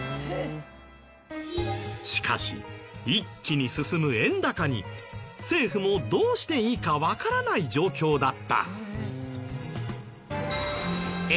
しかし一気に進む円高に政府もどうしていいかわからない状況だった。